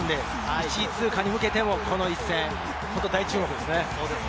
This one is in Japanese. １位通過に向けても、この一戦、大注目です。